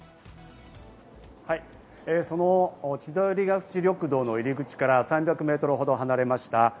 その千鳥ヶ淵緑道の入り口から３００メートルほど離れました